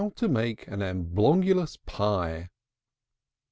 TO MAKE AN AMBLONGUS PIE.